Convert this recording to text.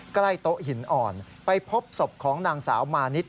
ใกล้โต๊ะหินอ่อนไปพบศพของนางสาวมานิด